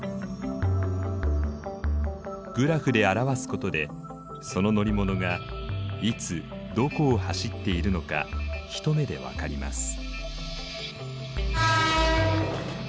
グラフで表すことでその乗り物がいつどこを走っているのか一目でわかります。